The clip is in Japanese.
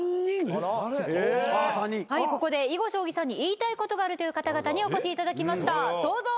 はいここで囲碁将棋さんに言いたいことがあるという方々にお越しいただきましたどうぞ。